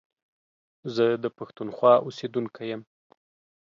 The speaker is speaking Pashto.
زه دا پښتونخوا اوسيدونکی يم.